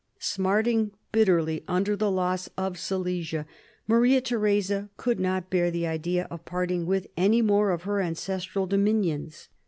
Smarting bitterly under the loss of Silesia, Maria Theresa could not bear the idea of parting with any more of her ancestral dominions.